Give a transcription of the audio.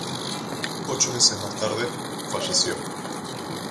Ocho meses más tarde, falleció.